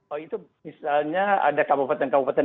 oh itu misalnya ada kabupaten kabupaten